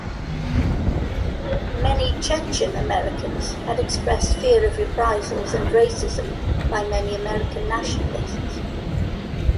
Many Chechen Americans had expressed fear of reprisals and racism by many American nationalists.